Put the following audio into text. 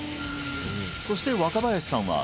そして若林さんは